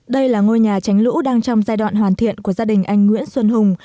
đây là ngôi nhà tránh lũ đang trong giai đoạn hoàn thiện của gia đình anh nguyễn xuân hùng